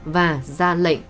và ra lệnh